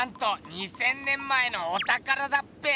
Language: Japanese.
２，０００年前のおたからだっぺ！